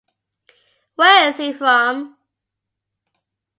Where is he from?